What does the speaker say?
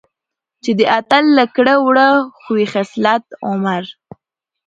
چې د اتل له کړه وړه ،خوي خصلت، عمر،